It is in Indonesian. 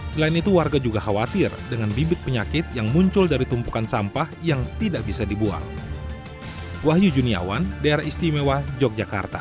selain itu warga juga khawatir dengan bibit penyakit yang muncul dari tumpukan sampah yang tidak bisa dibuang